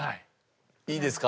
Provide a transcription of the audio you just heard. いいですか？